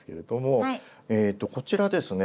えとこちらですね